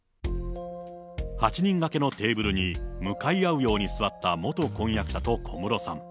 ８人がけのテーブルに向かい合うように座った元婚約者と小室さん。